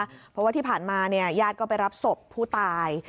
เพราะว่าที่ผ่านมาเนี่ยญาติก็ไปรับศพผู้ตาย